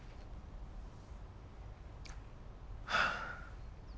はあ。